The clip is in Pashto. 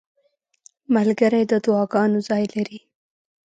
ملګری د دعاګانو ځای لري.